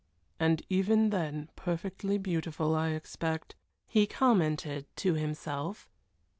"And even then perfectly beautiful, I expect," he commented to himself.